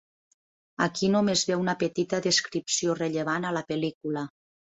Aquí només ve una petita descripció rellevant a la pel·lícula.